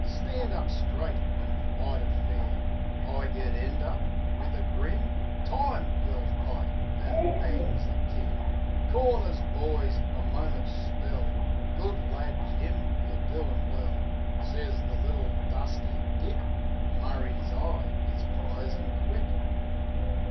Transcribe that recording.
"Stand up straight an' fight it fair." I get end up with a grin. "Time !" yells Pike, an' bangs a tin. "Corners, boys. A minute's spell." "Good lad, Jim ! You're doin' well," Says the little Dusty, Dick. ... Murray's eye is closin' quick.